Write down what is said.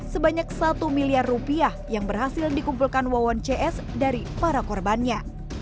sebanyak satu miliar rupiah yang berhasil dikumpulkan wawon cs dari para korbannya